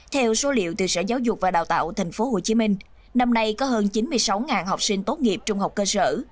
theo số liệu từ sở giáo dục và đào tạo tp hcm năm nay có hơn chín mươi sáu học sinh tốt nghiệp trung học cơ sở